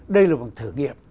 đây là một thử nghiệm